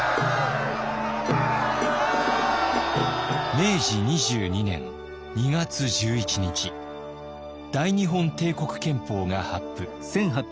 明治２２年２月１１日大日本帝国憲法が発布。